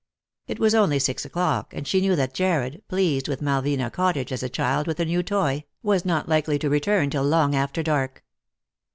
It was only six o'clock, and she knew that Jarred, pleased with Malvina Cottage as a child with a new toy, was not likely Lost for Love. 359 to return till long after dark.